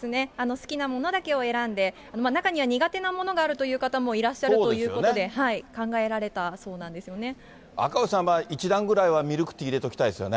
好きなものだけを選んで、中には苦手なものがあるという方もいらっしゃるということで、考赤星さん、１段ぐらいはミルクティー入れておきたいですよね。